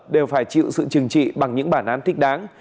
đều phải chịu sự trừng trị bằng những bản án thích đáng